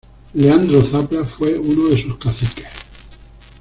Leandro Zapla fue uno de sus caciques.